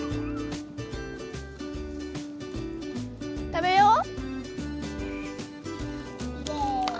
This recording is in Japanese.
食べよう。